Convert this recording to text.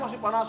susu hampir yuk